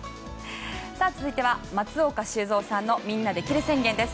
続いては松岡修造さんのみんなできる宣言です。